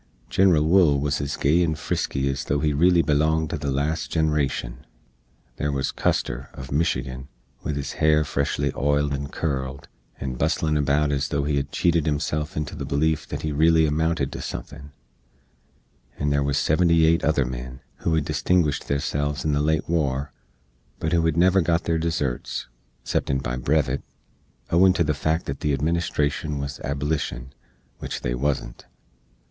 Genral Wool wuz ez gay and frisky ez though he reely belonged to the last ginerashn. There wuz Custar, uv Michigan, with his hair freshly oiled and curled, and busslin about ez though he hed cheated hisself into the beleef that he reely amounted to suthin; and there wuz seventy eight other men, who hed distinguished theirselves in the late war, but who hed never got their deserts, ceptin by brevet, owin to the fact that the Administrashn wuz Ablishn, which they wuzn't.